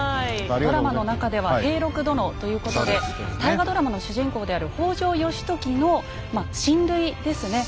ドラマの中では平六殿ということで大河ドラマの主人公である北条義時の親類ですね。